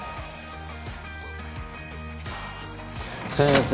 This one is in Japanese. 先生